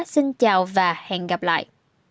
xin chào và hẹn gặp lại